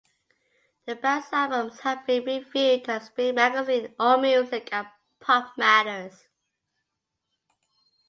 The band's albums have been reviewed at "Spin Magazine", AllMusic, and PopMatters.